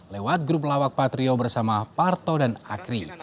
lewat grup lawak patrio bersama parto dan akri